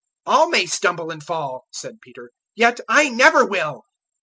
014:029 "All may stumble and fall," said Peter, "yet I never will."